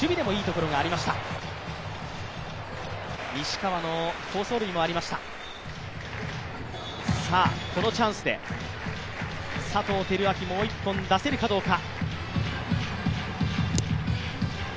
このチャンスで佐藤輝明、１本出せるかどうか。